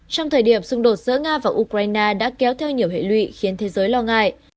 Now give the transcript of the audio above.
trong thời điểm xung đột giữa nga và ukraine đã kéo theo nhiều hệ lụy khiến thế giới lo ngại